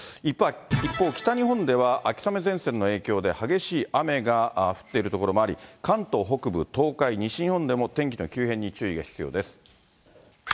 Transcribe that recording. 一方、北日本では秋雨前線の影響で激しい雨が降っている所もあり、関東北部、東海、西日本でも、天気の急変に注意が必要です。